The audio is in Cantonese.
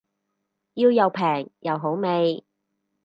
要又平又好味